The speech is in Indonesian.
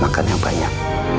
makan yang banyak